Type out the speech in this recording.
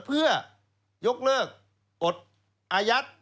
เพื่อยกเลิกกฎอายัด